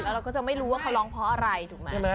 เราก็จะไม่รู้ว่าเขาร้องเพราะอะไรถูกไหม